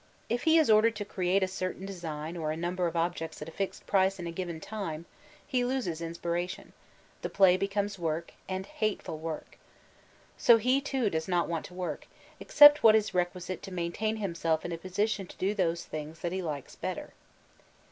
If he is ordered to create a certain design or a number of objects at a fixed price in a given time, he loses his inspiration ; the play becomes work, and hateful work. So he, too, does not want to work, except what is requisite to maintain himself in a position to do those things that he likes better.